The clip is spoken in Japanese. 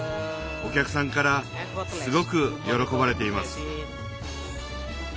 お客さんからすごく喜ばれています。